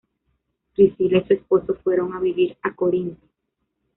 Priscila y su esposo fueron a vivir a Corinto.